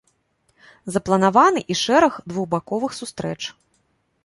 Запланаваны і шэраг двухбаковых сустрэч.